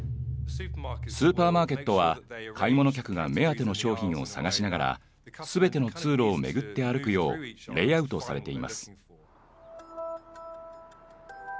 スーパーマーケットは買い物客が目当ての商品を探しながら全ての通路を巡って歩くようレイアウトされています。